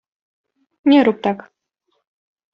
Nie rób tak.